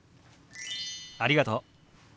ありがとう。